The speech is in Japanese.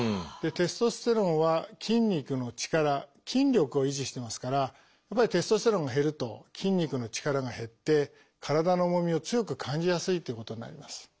テストステロンは筋肉の力筋力を維持してますからやっぱりテストステロンが減ると筋肉の力が減って体の重みを強く感じやすいということになります。